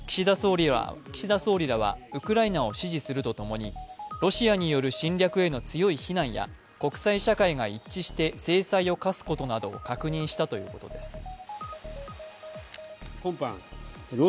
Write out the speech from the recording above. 岸田総理らは、ウクライナを支持するとともに、ロシアによる侵略への強い非難や国際社会が一致して制裁を科すことなどを確認したということです。